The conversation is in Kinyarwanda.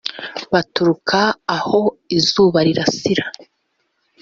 baturuka aho izuba rirasira